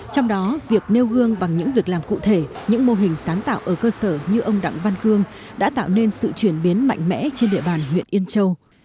trong đó việc nêu gương bằng những việc làm cụ thể những mô hình sáng tạo ở cơ sở như ông đặng văn cương đã tạo nên sự chuyển biến mạnh mẽ trên địa bàn huyện yên châu